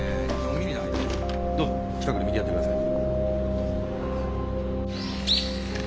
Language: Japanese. どうぞ近くで見てやってください。